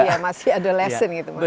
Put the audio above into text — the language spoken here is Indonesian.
iya masih adolesen gitu mbak